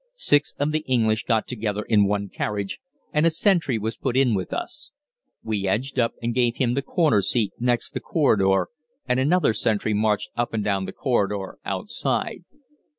Six of the English got together in one carriage, and a sentry was put in with us. We edged up and gave him the corner seat next the corridor, and another sentry marched up and down the corridor outside.